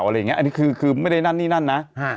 อันนี้คือไม่ได้นั่นนี่นั่นนะ